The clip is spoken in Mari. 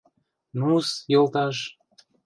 — Нус, йолташ...